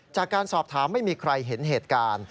จากการสอบถามไม่มีใครเห็นเหตุการณ์